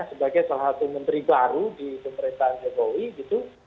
sebagai salah satu menteri baru di pemerintahan jokowi gitu